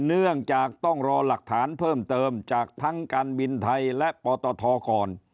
เนื่องจากต้องรอหลักฐานเพิ่มเติมจากทั้งการบินไทยและปตทก่อน